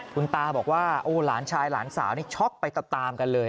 คุณตาบอกว่าโอ้หลานชายหลานสาวนี่ช็อกไปตามกันเลย